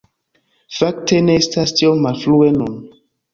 Fakte, ne estas tiom malfrue nun